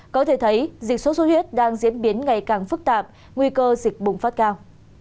có thể thấy dịch sốt xuất huyết đang diễn biến ngày càng phức tạp nguy cơ dịch bùng phát cao